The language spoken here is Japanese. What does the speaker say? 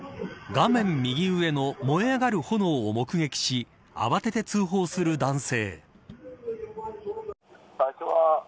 画面右上の燃え上がる炎を目撃し慌てて通報する男性。